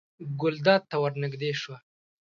ګلداد ته ور نږدې شوه.